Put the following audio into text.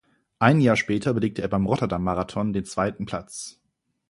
Ein Jahr später belegte er beim Rotterdam-Marathon den zweiten Platz.